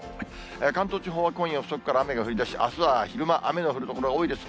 関東地方、今夜遅くから雨が降りだし、あすは昼間雨の降る所が多いです。